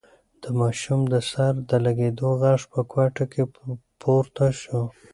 د ماشوم د سر د لگېدو غږ په کوټه کې پورته شو.